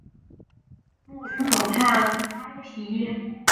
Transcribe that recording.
默斯河畔埃皮耶。